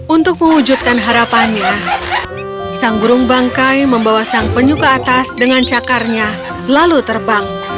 untuk mewujudkan harapannya sang burung bangkai membawa sang penyu ke atas dengan cakarnya lalu terbang